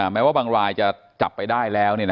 แม้ว่าบางรายจะจับไปได้แล้ว